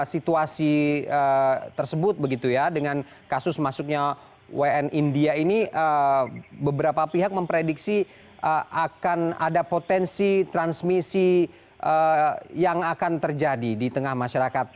situasi tersebut begitu ya dengan kasus masuknya wn india ini beberapa pihak memprediksi akan ada potensi transmisi yang akan terjadi di tengah masyarakat